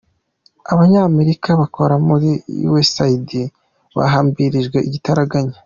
Abanyamerika bakora muri Yuwesayindi bahambirijwe igitaraganya